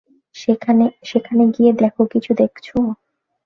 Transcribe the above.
সেখানে গিয়ে দেখ কিছু দেখছো?